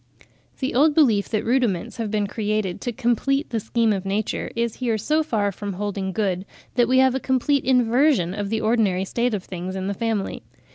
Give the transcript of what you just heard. The old belief that rudiments have been created to complete the scheme of nature is here so far from holding good, that we have a complete inversion of the ordinary state of things in the family.